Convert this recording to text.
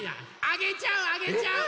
あげちゃうあげちゃう！